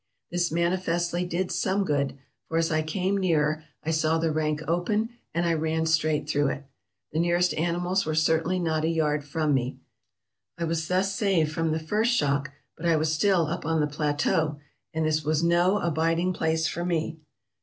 This manifestly did some good, forj as I came nearer, I saw the rank open, and I ran straight through it. The nearest animals were certainly not a yard from me. I was thus saved from the first shock, but I was still up on the plateau, and this was no abiding place for me.